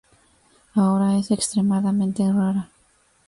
Ahora es extremadamente rara.